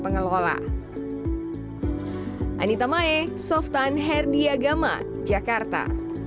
pengelola anita mae softan herdiagama jakarta